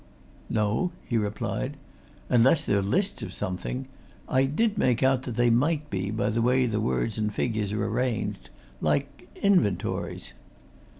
"No," he replied. "Unless they're lists of something I did make out that they might be, by the way the words and figures are arranged. Like inventories."